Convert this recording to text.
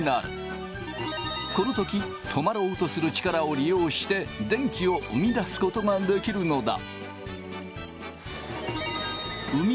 この時止まろうとする力を利用して電気を生み出すことができるのだ。